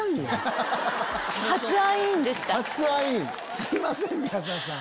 すいません宮沢さん。